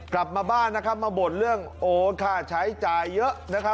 กลับมาบ้านมาบ่นเรื่องโอ้ขาดใช้จ่ายเยอะ